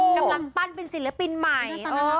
กำลังปั้นเป็นศิลปินใหม่